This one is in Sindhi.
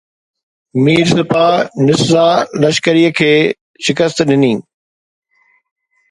مير سپاه نسزا لشڪريءَ کي شڪست ڏني